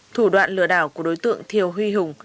thủ đoạn lừa đảo của đối tượng thiều huy hùng